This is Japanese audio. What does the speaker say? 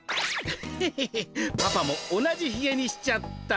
ヘヘヘッパパも同じひげにしちゃった。